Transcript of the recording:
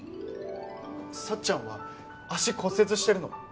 さっちゃんは足骨折してるの？